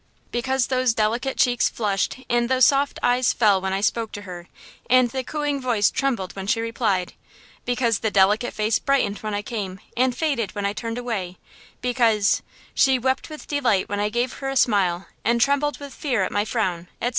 because those delicate cheeks flushed and those soft eyes fell when I spoke to her, and the cooing voice trembled when she replied! because the delicate face brightened when I came and faded when I turned away! because– '"She wept with delight when I gave her a smile, And trembled with fear at my frown,' etc.